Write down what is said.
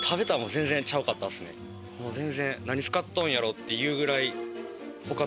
もう全然何使っとんやろう？っていうぐらい。